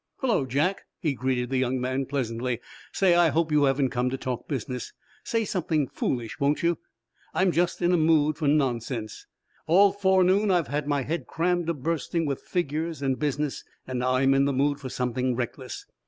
"Hullo, Jack," he greeted the young man, pleasantly. "Say, I hope you haven't come to talk business. Say something foolish, won't you, lad? I'm just in the mood for nonsense. All forenoon I've had my head crammed to bursting with figures and business, and now I'm in the mood for something reckless.